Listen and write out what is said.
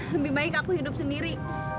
lebih baik aku hidup sendiri